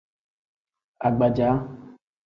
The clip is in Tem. Agbaja.